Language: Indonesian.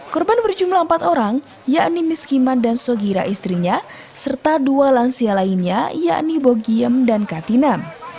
korban berjumlah empat orang yakni miskiman dan sogira istrinya serta dua lansia lainnya yakni bogiem dan katinam